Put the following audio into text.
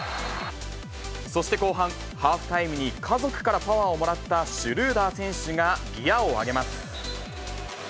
そして後半、ハーフタイムに家族からパワーをもらったシュルーダー選手がギアを上げます。